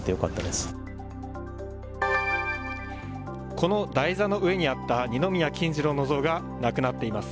この台座の上にあった二宮金次郎の像がなくなっています。